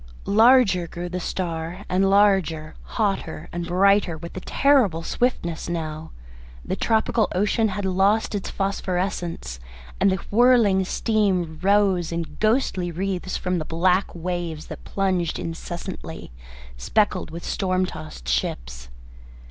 Larger grew the star, and larger, hotter, and brighter with a terrible swiftness now. The tropical ocean had lost its phosphorescence, and the whirling steam rose in ghostly wreaths from the black waves that plunged incessantly, speckled with storm tossed ships.